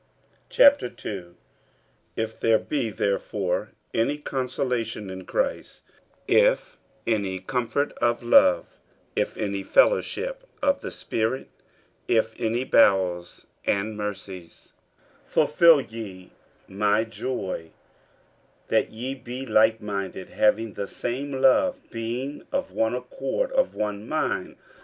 50:002:001 If there be therefore any consolation in Christ, if any comfort of love, if any fellowship of the Spirit, if any bowels and mercies, 50:002:002 Fulfil ye my joy, that ye be likeminded, having the same love, being of one accord, of one mind.